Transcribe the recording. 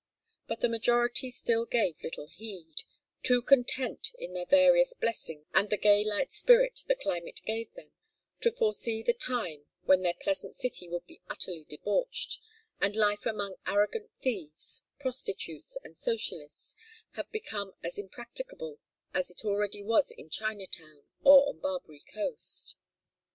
But the majority still gave little heed, too content in their various blessings, and the gay light spirit the climate gave them, to foresee the time when their pleasant city would be utterly debauched, and life among arrogant thieves, prostitutes, and socialists have become as impracticable as it already was in Chinatown or on Barbary Coast.